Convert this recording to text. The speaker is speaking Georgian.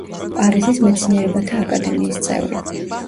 პარიზის მეცნიერებათა აკადემიის წევრი.